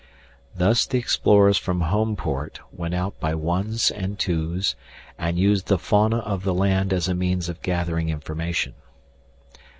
Thus the explorers from Homeport went out by ones and twos and used the fauna of the land as a means of gathering information.